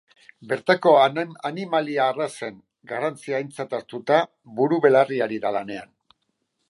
Bertako animalia arrazen garrantzia aintzat hartuta, buru-belarri ari da lanean.